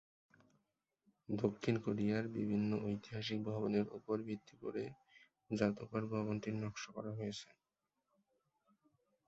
দক্ষিণ কোরিয়ার বিভিন্ন ঐতিহাসিক ভবনের উপর ভিত্তি করে জাদুঘর ভবনটির নকশা করা হয়েছে।